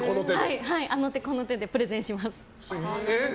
あの手この手でプレゼンします。